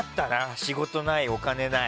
仕事ない、お金ない。